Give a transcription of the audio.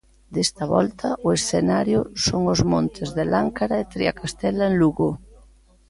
Desta volta o escenario son os montes de Láncara e Triacastela, en Lugo.